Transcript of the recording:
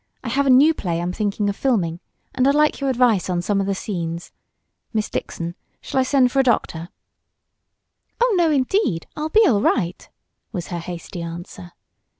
I have a new play I'm thinking of filming, and I'd like your advice on some of the scenes. Miss Dixon, shall I send for a doctor?" "Oh, no, indeed, I'll be all right!" was her hasty answer.